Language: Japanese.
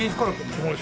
すごい。